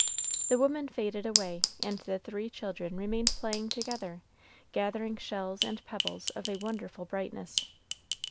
The woman faded away, and the three children remained playing together, gathering shells and pebbles of a wonderful brightness.